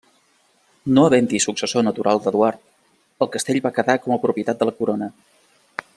No havent-hi successor natural d'Eduard, el castell va quedar com a propietat de la corona.